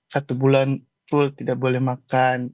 satu bulan full tidak boleh makan